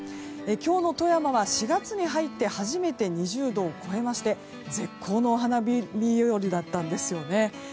今日の富山は４月に入って初めて２０度を超えまして絶好のお花見日和だったんですよね。